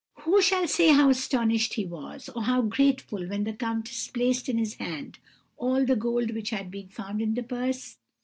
"Who shall say how astonished he was, or how grateful when the countess placed in his hand all the gold which had been found in the purse?